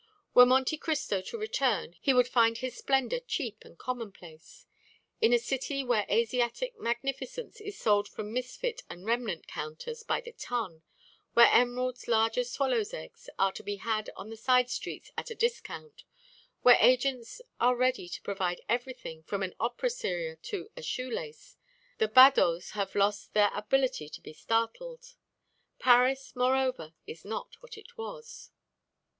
Were Monte Cristo to return he would find his splendor cheap and commonplace. In a city where Asiatic magnificence is sold from misfit and remnant counters by the ton, where emeralds large as swallows' eggs are to be had in the side streets at a discount, where agents are ready to provide everything from an opéra seria to a shoelace, the badauds have lost their ability to be startled. Paris, moreover, is not what it was.